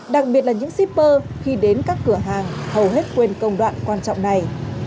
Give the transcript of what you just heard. đặc biệt là những shipper khi đến các cửa hàng hầu hết quên công đoạn quan trọng này